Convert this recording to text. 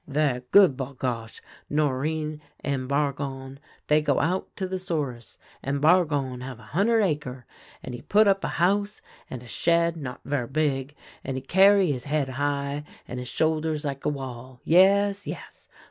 Vcr' good, bagosh ! Norinne and Bargon they go out to the Souris, and Bargon have a hunder' acre, and he put up a house and a shed not ver' big, and he carry his head high and his shoulders like a wall ; yes, yes.